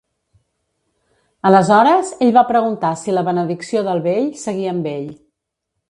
Aleshores, ell va preguntar si la benedicció del vell seguia amb ell.